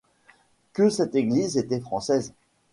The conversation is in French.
Que cette église était française!